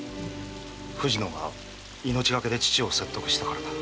藤乃が命がけで父を説得したからだ。